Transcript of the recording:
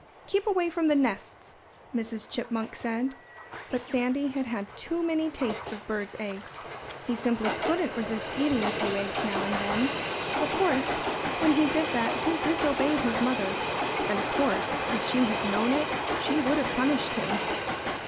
"Keep away from the nests!" Mrs. Chipmunk said. But Sandy had had too many tastes of birds' eggs. He simply couldn't resist eating a few eggs now and then. Of course, when he did that he disobeyed his mother. And of course, if she had known it she would have punished him.